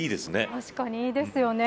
確かにいいですよね。